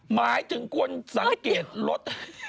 หมายถึงคนสังเกตรถ